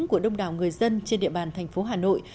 của đông đảo người dân trên địa bàn thành phố hà nội